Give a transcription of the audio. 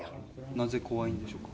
なぜ怖いんでしょうか。